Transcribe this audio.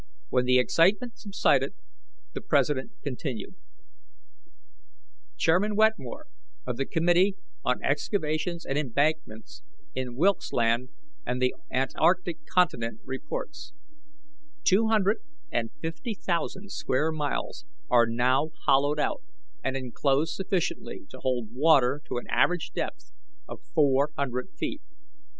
When the excitement subsided, the president continued: "Chairman Wetmore, of the Committee on Excavations and Embankments in Wilkesland and the Antarctic Continent, reports: 'Two hundred and fifty thousand square miles are now hollowed out and enclosed sufficiently to hold water to an average depth of four hundred feet.